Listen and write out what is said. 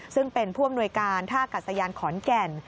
ซึ่งเป็นผู้อำนวยการท่ากัดสยานขอนแก่น